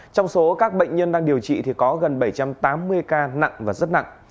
trong số các bệnh nhân đang điều trị thì có gần bảy trăm tám mươi ca nặng và rất nặng